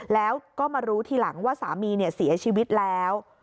แล้วก็มารู้ทีหลังว่าสามีเสียชีวิตแล้ว